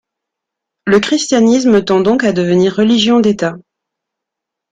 Le christianisme tend donc à devenir religion d’État.